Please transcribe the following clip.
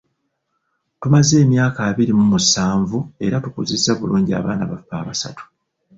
Tumaze emyaka abiri mu musanvu era tukuzizza bulungi abaana baffe abasatu.